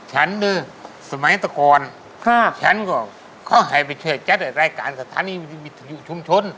สมัยแต่ก่อนฉันก็เขาให้ไปช่วยจัดรายการสถานีวิทยุชุมชน